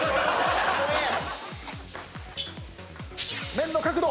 面の角度！